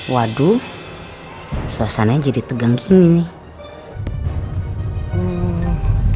waduh suasananya jadi tegang gini